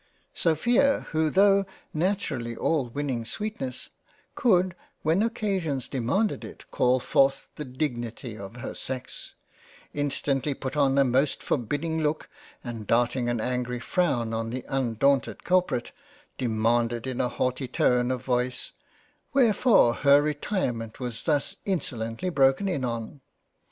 Sophia (who though natur ally all winning sweetness could when occasions demanded it call forth the Dignity of her sex) instantly put on a most forbiding look, and darting an angry frown on the undaunted culprit, demanded in a haughty tone of voice " Wherefore her retirement was thus insolently broken in on